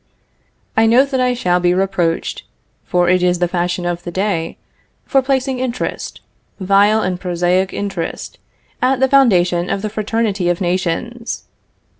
I know that I shall be reproached (for it is the fashion of the day) for placing interest, vile and prosaic interest, at the foundation of the fraternity of nations.